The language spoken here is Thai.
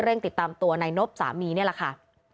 ติดตามตัวนายนบสามีนี่แหละค่ะ